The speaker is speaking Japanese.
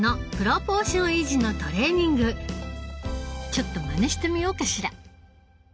ちょっとまねしてみようかしら。